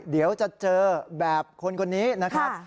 เดี๋ยวจะเจอแบบคนนี้นะครับ